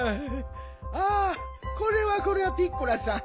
ああこれはこれはピッコラさん。